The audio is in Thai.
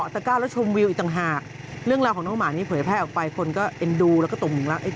ที่วิ่งตามอย่างไม่คิดชีวิต